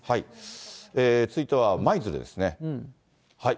続いては舞鶴ですね。